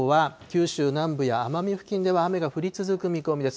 きょうは九州南部や奄美付近では雨が降り続く見込みです。